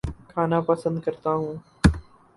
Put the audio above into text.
کھانا پسند کرتا ہوں